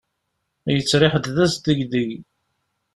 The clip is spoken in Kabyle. Yettriḥ-d d asdegdeg.